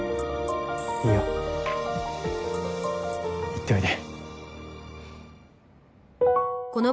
いいよ行っておいで。